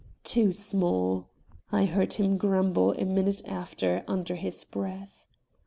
Too small," I heard him grumble a minute after, under his breath.